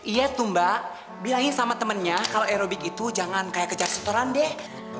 iya tuh mbak bilangin sama temennya kalau aerobik itu jangan kayak kejar setoran deh